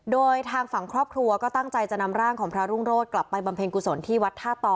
โดยทางฝั่งครอบครัวก็ตั้งใจจะนำร่างของพระรุ่งโรธกลับไปบำเพ็ญกุศลที่วัดท่าต่อ